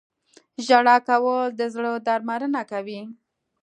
• ژړا کول د زړه درملنه کوي.